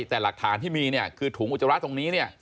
แต่หลักฐานที่มีเนี่ยคือถุงอุจจาระตรงนี้เนี่ย